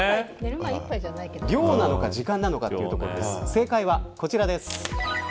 量なのか時間なのか正解はこちらです。